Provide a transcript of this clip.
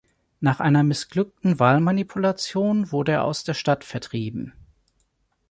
Nach einer missglückten Wahlmanipulation wurde er aus der Stadt vertrieben.